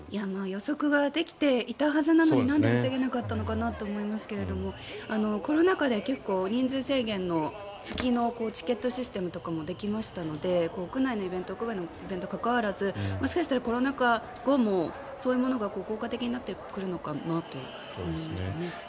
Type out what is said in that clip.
予測ができていたはずなのになんで防げなかったのかなと思いますがコロナ禍で結構、人数制限の月のチケットシステムとかもできましたので屋内のイベント屋外のイベントに関わらずもしかしたらコロナ禍後もそういうものが効果的になってくるのかなと思いましたね。